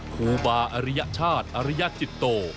ครูบาอริยชาติอริยจิตโต